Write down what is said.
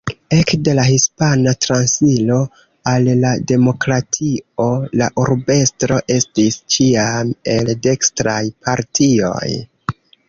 Ekde la Hispana transiro al la demokratio la urbestro estis ĉiam el dekstraj partioj.